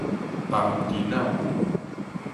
澹巾仔